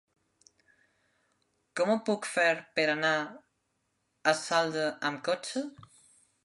Com ho puc fer per anar a Saldes amb cotxe?